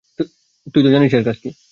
তুই তো জানিসই এর কাজ কি।